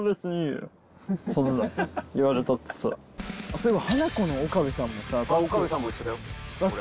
そういえば。